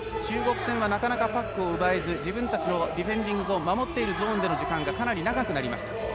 中国戦はなかなかパックを奪えずディフェンディングゾーンで守っている時間がかなり長くなりました。